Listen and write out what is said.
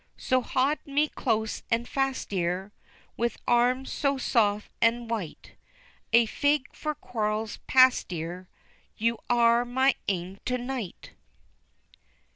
So haud me close and fast, dear, With arms so soft an' white, A fig for quarrels past, dear, You are my ain to night.